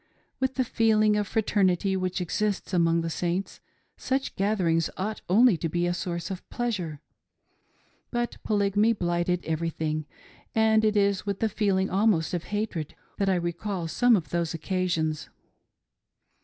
With the feeling of fraternity which exists among the Saints, such gatherings ought only to be a source of pleasure ; but Polygamy blighted everything, and it is with feelings almost of hatred that I re call some of those occasions.